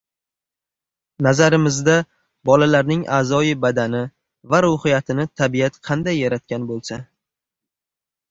Nazarimizda bolalarning a’zoyi-badani va ruhiyatini tabiat qanday yaratgan bo‘lsa